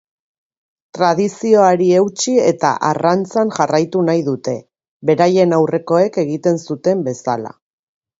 Tradizioari eutsi eta arrantzan jarraitu nahi dute, beraien aurrekoek egiten zuten bezala.